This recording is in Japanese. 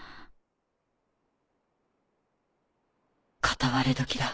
かたわれ時だ。